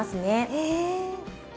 へえ。